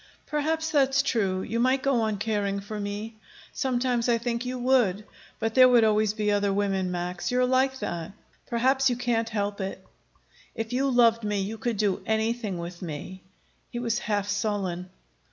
"Perhaps that's true. You might go on caring for me. Sometimes I think you would. But there would always be other women, Max. You're like that. Perhaps you can't help it." "If you loved me you could do anything with me." He was half sullen.